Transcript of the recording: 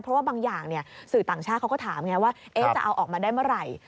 เพราะว่าบางอย่างสื่อต่างชาติเขาก็ถามไงว่าจะเอาออกมาได้เมื่อไหร่